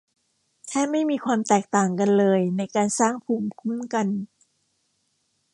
แทบไม่มีความแตกต่างกันเลยในการสร้างภูมิคุ้มกัน